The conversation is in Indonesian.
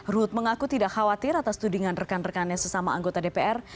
ruhut mengaku tidak khawatir atas tudingan rekan rekannya sesama anggota dpr